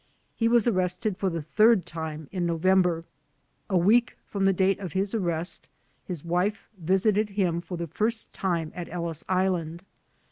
He was arrested for the third time in November. A week from the date of his arrest his wife visited him for the first time at Ellis Island.